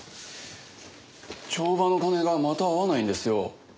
帳場の金がまた合わないんですよ。